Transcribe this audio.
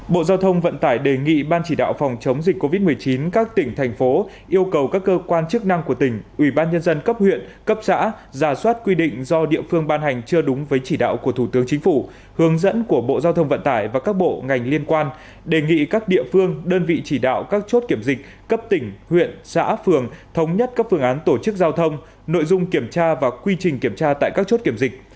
bộ giao thông vận tải đề nghị ban chỉ đạo phòng chống dịch covid một mươi chín các tỉnh thành phố yêu cầu các cơ quan chức năng của tỉnh ủy ban nhân dân cấp huyện cấp xã giả soát quy định do địa phương ban hành chưa đúng với chỉ đạo của thủ tướng chính phủ hướng dẫn của bộ giao thông vận tải và các bộ ngành liên quan đề nghị các địa phương đơn vị chỉ đạo các chốt kiểm dịch cấp tỉnh huyện xã phường thống nhất các phương án tổ chức giao thông nội dung kiểm tra và quy trình kiểm tra tại các chốt kiểm dịch